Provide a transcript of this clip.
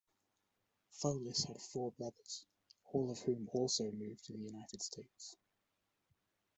Foulis had four brothers, all of whom also moved to the United States.